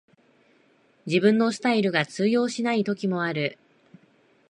自分のスタイルが通用しない時もある